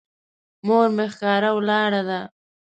مور مې ښکاره ولاړه ده.